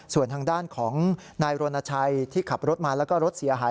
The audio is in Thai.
ส่วนทางด้านของนายรณชัยที่ขับรถมาแล้วก็รถเสียหาย